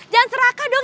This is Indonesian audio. jangan seraka dong